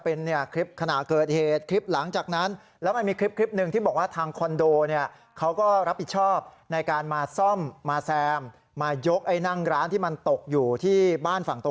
ออกไปเรามีคลิปนั้นไหมครับ